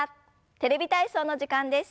「テレビ体操」の時間です。